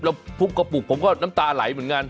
แล้วพุกกระปุกผมก็น้ำตาไหลเหมือนกัน